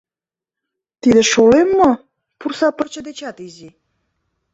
Тиде шолем мо пурса пырче дечат изи!